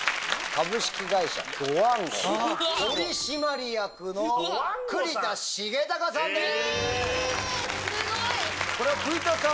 株式会社ドワンゴ取締役の栗田穣崇さんです。